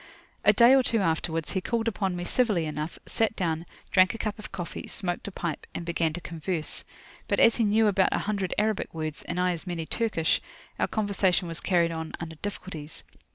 A day or two afterwards, he called upon me civilly enough, sat down, drank a cup of coffee, smoked a pipe, and began to converse. But as he knew about a hundred Arabic words, and I as many Turkish, our conversation was carried on under difficulties.